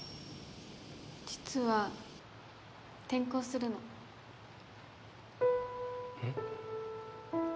実は転校するのえっ？